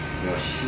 よし。